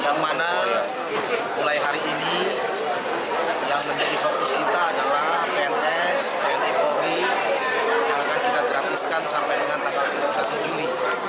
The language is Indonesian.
yang mana mulai hari ini yang menjadi fokus kita adalah pns tni polri yang akan kita gratiskan sampai dengan tanggal tiga puluh satu juli